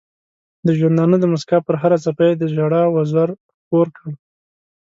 د ژوندانه د مسکا پر هره څپه یې د ژړا وزر خپور کړ.